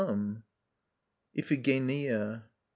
IPHIGENIA.